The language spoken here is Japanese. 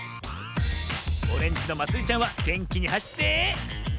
オレンジのまつりちゃんはげんきにはしって。